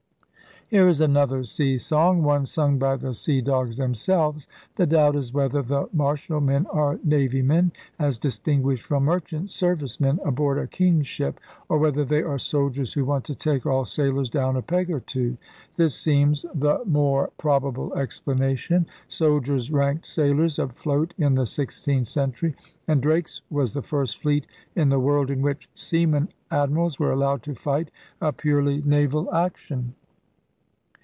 Here is another sea song, one sung by the sea dogs themselves. The doubt is whether the Martial men are Navy men, as distinguished from merchant service men aboard a king's ship, or whether they are soldiers who want to take all sailors down a peg or two. This seems the more 40 ELIZABETHAN SEA DOGS probable explanation. Soldiers 'ranked' sailors afloat in the sixteenth century; and Drake's was the first fleet in the world in which seamen admirals were allowed to fight a purely naval action.